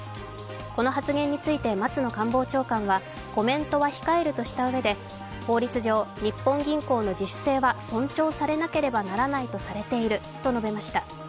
この発言について松野官房長官は、コメントは控えるとしたうえで法律上、日本銀行の自主性は尊重されなければならないとされていると述べました。